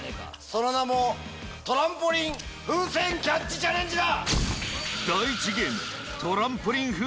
その名もトランポリン風船キャッチチャレンジだ！